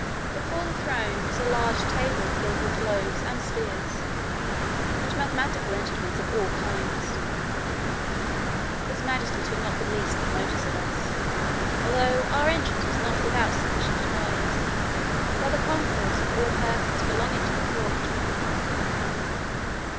Before the throne, was a large table filled with globes and spheres, and mathematical instruments of all kinds. His majesty took not the least notice of us, although our entrance was not without sufficient noise, by the concourse of all persons belonging to the court.